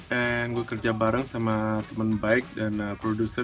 dan gue kerja bareng sama teman baik dan produser